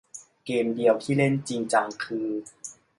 เกมเดียวที่เล่นจริงจังคือ